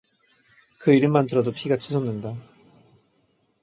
그 이름만 들어도 피가 치솟는다.